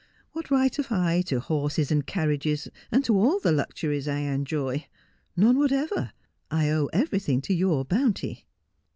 What right have I to horses and carriages, and to all the luxuries I enjoy 1 None whatever. I owe everything to your bounty.'